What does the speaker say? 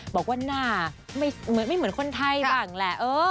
บอกว่าหน้าไม่เหมือนคนไทยบ้างแหละ